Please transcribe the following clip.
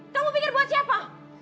kamu pikir buat siapa